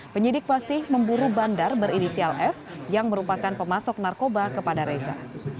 penyidik masih memburu bandar berinisial f yang merupakan pemasok narkoba kepada reza